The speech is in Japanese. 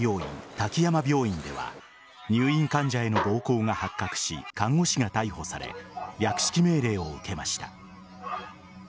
滝山病院では入院患者への暴行が発覚し看護師が逮捕され略式命令を受けました。